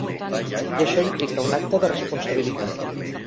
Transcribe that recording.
I això implica un acte de responsabilitat.